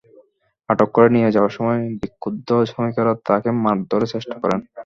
আটক করে নিয়ে যাওয়ার সময় বিক্ষুব্ধ শ্রমিকেরা তাঁকে মারধরের চেষ্টা করেন।